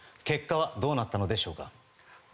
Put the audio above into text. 結果はどうなったのでしょうか。